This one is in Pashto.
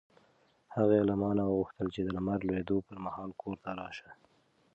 هغې له ما نه وغوښتل چې د لمر لوېدو پر مهال کور ته راشه.